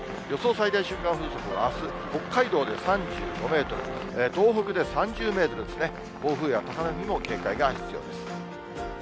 最大瞬間風速は、あす、北海道で３５メートル、東北で３０メートルですね、暴風や高波にも警戒が必要です。